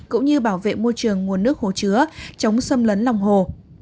cũng như bảo vệ môi trường nguồn nước hồ chứa chống xâm lấn lòng hồ